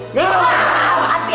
aduh pedes be